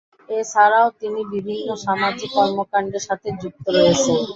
এছাড়াও তিনি বিভিন্ন সামাজিক কর্মকান্ডের সাথেও যুক্ত রয়েছেন।